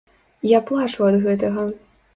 Я плачу ад гэтага.